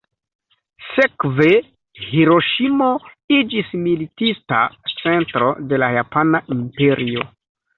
Sekve Hiroŝimo iĝis militista centro de la japana imperio.